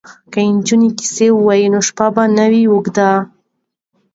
که نجونې کیسه ووايي نو شپه به نه وي اوږده.